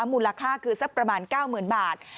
มูลค่าคือสักประมาณ๙๐๐๐บาท